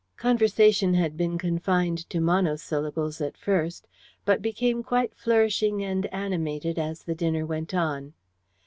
Conversation had been confined to monosyllables at first, but became quite flourishing and animated as the dinner went on.